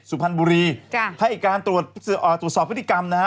สุพรรณบุรีจ้ะให้การตรวจสอบพฤติกรรมนะฮะ